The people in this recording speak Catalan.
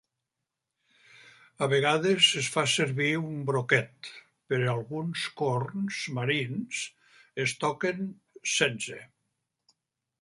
A vegades es fa servir un broquet, però alguns corns marins es toquen sense.